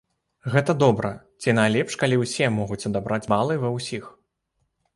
Гэта добра, ці найлепш калі ўсе могуць адабраць балы ва ўсіх?